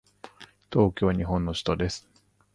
東京は日本の首都です。